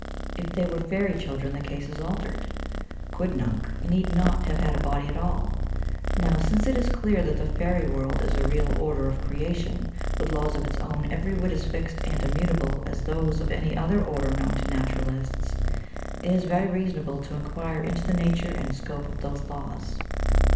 If they were fairy children the case is altered. Quidnunc need not have had a body at all. Now since it is clear that the fairy world is a real order of creation, with laws of its own every whit as fixed and immutable as those of any other order known to naturalists, it is very reasonable to inquire into the nature and scope of those laws.